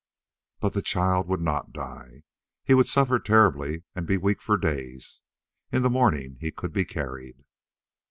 But the child would not die. He would suffer terribly and be weak for days. In the morning he could be carried.